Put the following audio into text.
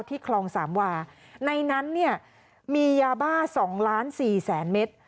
คลองสามวาในนั้นเนี่ยมียาบ้า๒ล้านสี่แสนเมตร